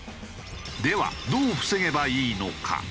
ではどう防げばいいのか？